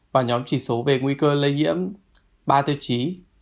và nhóm chỉ số về nguy cơ lây nhiễm ba tiêu chí